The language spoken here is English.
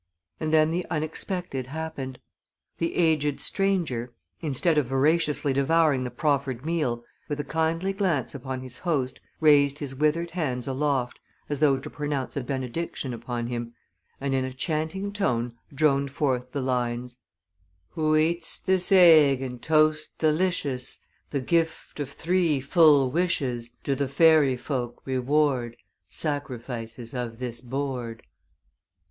And then the unexpected happened: The aged stranger, instead of voraciously devouring the proffered meal, with a kindly glance upon his host, raised his withered hands aloft as though to pronounce a benediction upon him, and in a chanting tone droned forth the lines: "Who eats this egg and toast delicious Receives the gift of three full wishes Thus do the fairy folk reward The sacrifices of this board."